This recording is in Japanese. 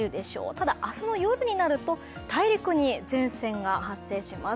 ただ明日の夜になると大陸に前線が発生します。